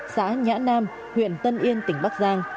xã nhã nam huyện tân yên tỉnh bắc giang